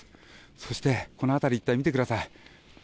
そして、この辺り一帯見てください。